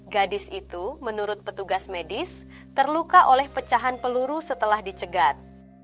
gadis itu menurut petugas medis terluka oleh pecahan peluru setelah dicegat